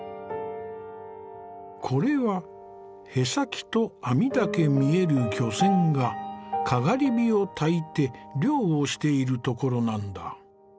これは舳先と網だけ見える漁船がかがり火をたいて漁をしているところなんだ。